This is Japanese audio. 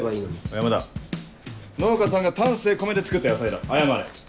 山田農家さんが丹精込めて作った野菜だ謝れ。